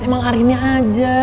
emang arinnya aja